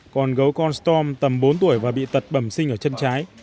còn gấu constorm tầm bốn tuổi và bị tật bầm sinh ở chân trái